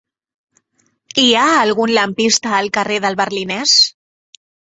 Hi ha algun lampista al carrer del Berlinès?